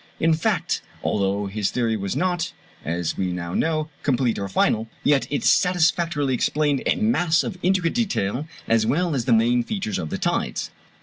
In fact, although his theory was not, as we now know, complete or final, yet it satisfactorily explained a mass of intricate detail as well as the main features of the tides.